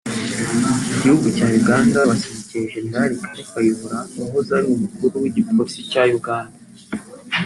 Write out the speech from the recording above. Mu gihugu cya Uganda abashyigikiye Gen Kale Kayihura wahoze ari umukuru w’Igipolisi cya Uganda